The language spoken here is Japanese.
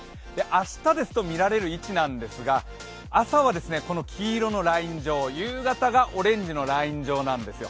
明日ですと見られる位置なんですが朝は黄色のライン上、夕方がオレンジのライン上なんですよ。